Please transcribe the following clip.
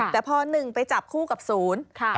แต่พอ๑ไปจับคู่กับศูนย์